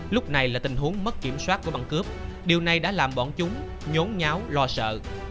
lúc này là tình huống mất kiểm soát của băng cướp điều này đã làm bọn chúng nhốn nháo lo sợ